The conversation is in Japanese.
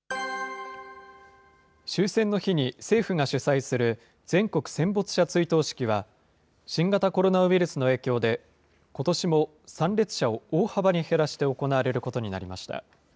終戦の日に、政府が主催する全国戦没者追悼式は、新型コロナウイルスの影響で、ことしも参列者を大幅に減らして行われることになりました。